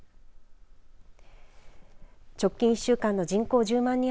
直近１週間の人口１０万